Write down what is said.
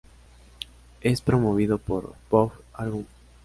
Es promovido por Bob Arum.